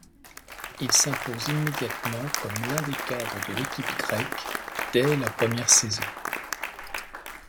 Il s'impose immédiatement comme l'un des cadre de l'équipe grec dès la première saison.